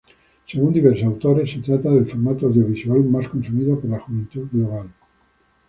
Según diversos autores se trata del formato audiovisual más consumido por la juventud global.